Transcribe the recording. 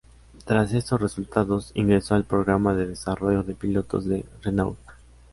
Tras esos resultados, ingresó al programa de desarrollo de pilotos de Renault.